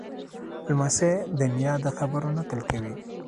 لمسی د نیا د خبرو نقل کوي.